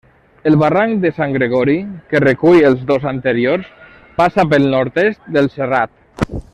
El barranc de Sant Gregori, que recull els dos anteriors, passa pel nord-est del serrat.